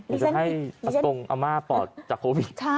มีชน็ีมีชนิดอันตรุงอัมมาตย์ปอดจากโควิด